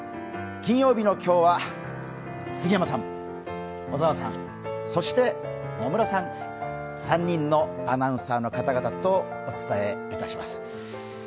金曜日の今日は、杉山さん、小沢さん、そして野村さん、３人のアナウンサーの方々とお伝えいたします。